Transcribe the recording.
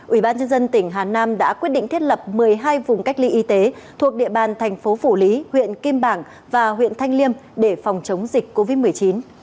ubnd tỉnh hà nam đã quyết định thiết lập một mươi hai vùng cách ly y tế thuộc địa bàn thành phố phủ lý huyện kim bảng và huyện thanh liêm để phòng chống dịch covid một mươi chín